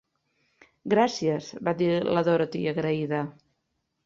"Gràcies", va dir la Dorothy, agraïda.